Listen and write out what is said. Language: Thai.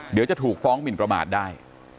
เดี๋ยวจะถูกฟ้องหมินประมาทได้